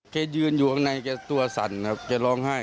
เจ๊ยืนอยู่ข้างในเจ๊ตัวสั่นครับเจ๊ร้องไห้